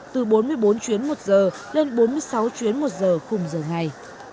từ bốn mươi bốn chuyến một giờ lên bốn mươi sáu chuyến một giờ khung giờ ngày